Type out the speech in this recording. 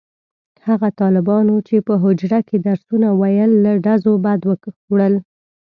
هغه طالبانو چې په حجره کې درسونه ویل له ډزو بد وړل.